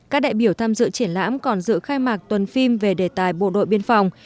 các đại biểu tham dự triển lãm còn dự khai mạc tuần phim về đề tài bộ đội biên phòng